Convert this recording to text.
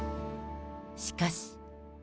しかし。